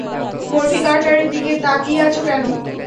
Murphy কার্টারের দিকে তাকিয়ে আছো কেন?